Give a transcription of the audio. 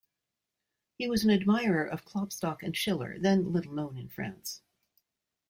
He was an admirer of Klopstock and Schiller, then little known in France.